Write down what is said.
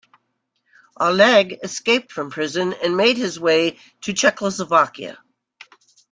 Alleg escaped from prison and made his way to Czechoslovakia.